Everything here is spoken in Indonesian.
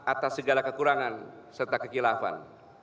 atas segala kekurangan serta kekilafan